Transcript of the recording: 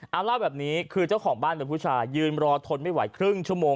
เอาเล่าแบบนี้คือเจ้าของบ้านเป็นผู้ชายยืนรอทนไม่ไหวครึ่งชั่วโมง